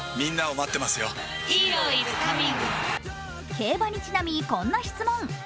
競馬にちなみ、こんな質問。